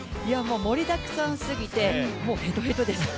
盛りだくさんすぎてヘトヘトです。